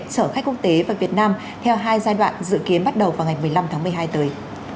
chở khách quốc tế và việt nam theo hai giai đoạn dự kiến bắt đầu vào ngày một mươi năm tháng một mươi hai tới